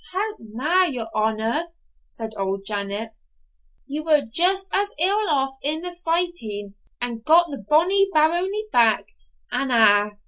'Hout na, your Honour,' said old Janet, 'ye were just as ill aff in the feifteen, and got the bonnie baronie back, an' a'.